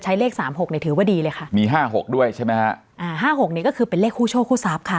เลขสามหกเนี่ยถือว่าดีเลยค่ะมีห้าหกด้วยใช่ไหมฮะอ่าห้าหกนี่ก็คือเป็นเลขคู่โชคคู่ทรัพย์ค่ะ